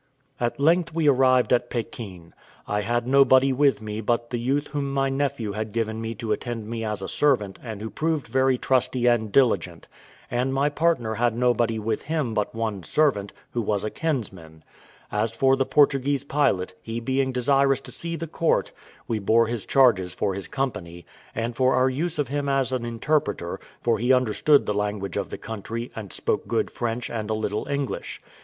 At length we arrived at Pekin. I had nobody with me but the youth whom my nephew had given me to attend me as a servant and who proved very trusty and diligent; and my partner had nobody with him but one servant, who was a kinsman. As for the Portuguese pilot, he being desirous to see the court, we bore his charges for his company, and for our use of him as an interpreter, for he understood the language of the country, and spoke good French and a little English.